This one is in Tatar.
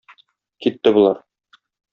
Китте болар.